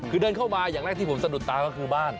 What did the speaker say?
คือเดินเข้ามาอย่างแรกที่ผมสะดุดตาก็คือบ้าน